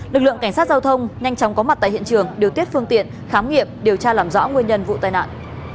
lực lượng cảnh sát giao thông nhanh chóng có mặt tại hiện trường điều tiết phương tiện khám nghiệm điều tra làm rõ nguyên nhân vụ tai nạn